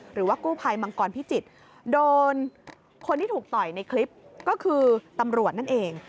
หรือว่ากู้ภัยมังกรพิจิตรโดนคนที่ถูกต่อยในคลิปก็คือตำรวจนั่นเอง